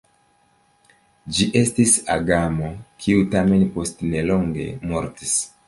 Ĝi estis agamo, kiu tamen post nelonge mortis.